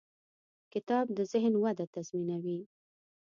کتاب د ذهن وده تضمینوي.